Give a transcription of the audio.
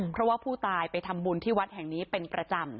เพราะว่าผู้ตายไปทำบุญที่วัดแห่งนี้เป็นประจำ